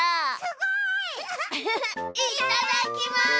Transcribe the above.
すごい！いっただっきます！